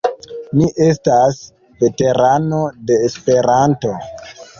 Mi estas veterano de Esperanto.